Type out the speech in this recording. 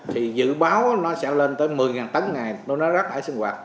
thì dự báo nó sẽ lên tới một mươi tấn ngày nó rác thải sinh hoạt